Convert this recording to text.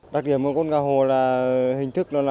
đặc điểm của con gà hồ là hình thức